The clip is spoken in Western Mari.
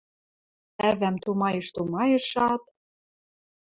Ӓвӓм тумайыш-тумайышат: